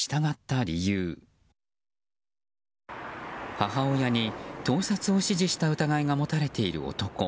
母親に盗撮を指示した疑いが持たれている男。